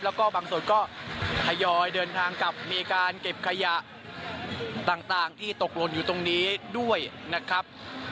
แล้วก็บางส่วนก็ทยอยเดินทางกลับมีการเก็บขยะต่างที่ตกหล่นอยู่ตรงนี้ด้วยนะครับ